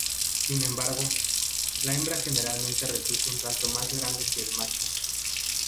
Sin embargo, la hembra generalmente resulta un tanto más grande que el macho.